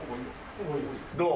どう？